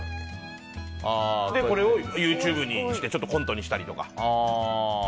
これをＹｏｕＴｕｂｅにしてコントにしたりとか。